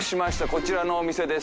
こちらのお店です。